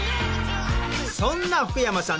そんな福山さん